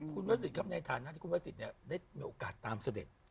คุณพระศิษย์ครับในฐานะที่คุณพระสิทธิ์ได้มีโอกาสตามเสด็จ